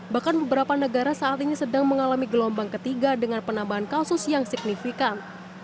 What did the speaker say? bahkan beberapa negara saat ini sedang mengalami gelombang ketiga dengan penambahan kasus yang signifikan